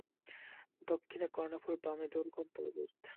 দক্ষিণে কর্ণফুলি, বামে দুর্গম পর্বত।